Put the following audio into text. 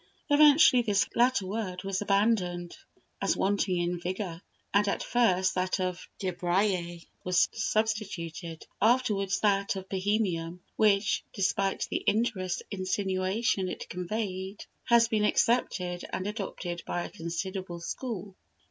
Eventually this latter word was abandoned as wanting in vigour, and at first that of débraillé was substituted; afterwards that of Bohemian, which, despite the injurious insinuation it conveyed, has been accepted and adopted by a considerable school.